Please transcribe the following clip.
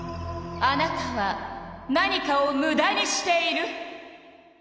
あなたは何かをむだにしている！